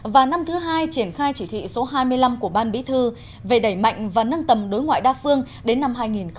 và năm thứ hai triển khai chỉ thị số hai mươi năm của ban bí thư về đẩy mạnh và nâng tầm đối ngoại đa phương đến năm hai nghìn hai mươi